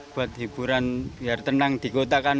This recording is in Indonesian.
buat hiburan biar tenang di kota kan